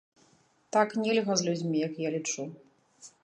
Так нельга з людзьмі, як я лічу.